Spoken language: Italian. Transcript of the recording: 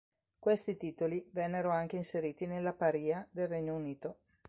Questi titoli vennero anche inseriti nella Parìa del Regno Unito.